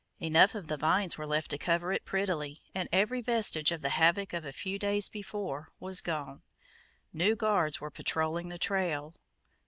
Enough of the vines were left to cover it prettily, and every vestige of the havoc of a few days before was gone. New guards were patrolling the trail.